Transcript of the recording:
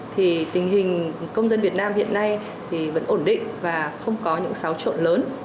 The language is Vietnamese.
thì tình hình công dân việt nam hiện nay thì vẫn ổn định và không có những xáo trộn lớn